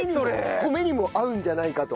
米にも合うんじゃないかと。